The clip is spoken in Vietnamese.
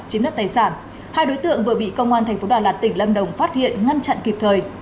chiếm đất tài sản hai đối tượng vừa bị công an thành phố đà lạt tỉnh lâm đồng phát hiện ngăn chặn kịp thời